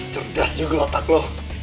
cerdas juga otak lo